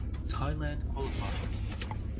Thailand qualify.